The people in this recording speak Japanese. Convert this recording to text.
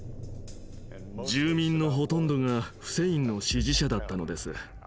住民のほとんどがフセインの支持者だったのです。